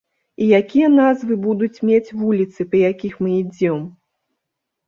І якія назвы будуць мець вуліцы, па якіх мы ідзём?